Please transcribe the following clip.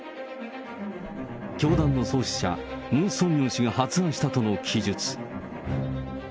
教団の創始者、ムン・ソンミョン氏が発案したとの記述。